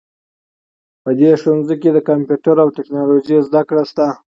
په دې ښوونځي کې د کمپیوټر او ټکنالوژۍ زده کړه شته